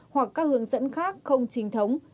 hoặc các hướng dẫn khác không chính thống